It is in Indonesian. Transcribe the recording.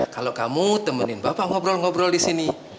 kalau kamu temenin bapak ngobrol ngobrol di sini